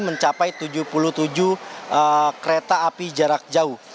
mencapai tujuh puluh tujuh kereta api jarak jauh